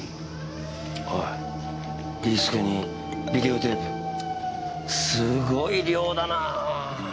おいディスクにビデオテープすごい量だなぁ。